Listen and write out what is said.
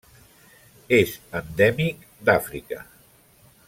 És endèmic d'Àfrica.